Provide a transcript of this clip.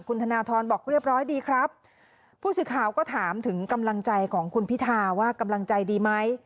คุณธนทรบอกเรียบร้อยดีครับผู้สื่อข่าวก็ถามถึงกำลังใจของคุณพิธาว่ากำลังใจดีไหม